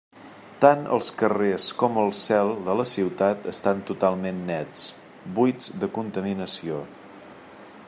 Tant els carrers com el «cel» de la ciutat estan totalment nets, buits de contaminació.